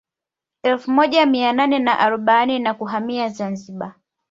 Elfu moja mia nane na arobaini na kuhamia Zanzibar